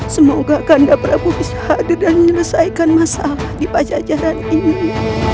semoga ganda prabu bisa hadir dan menyelesaikan masalah di pajajaran ini